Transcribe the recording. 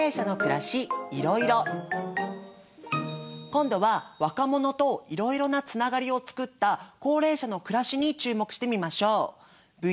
今度は若者とイロイロなつながりを作った高齢者の暮らしに注目してみましょう。